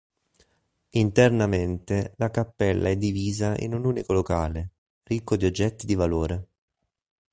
Internamente la cappella è divisa in un unico locale, ricco di oggetti di valore.